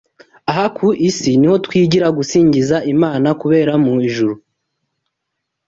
Aha ku isi ni ho twigira gusingiza Imana kubera mu ijuru.